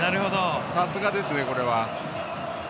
さすがですね、これは。